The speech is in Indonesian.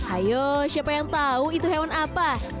ayo siapa yang tahu itu hewan apa